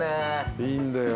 いいんだよ。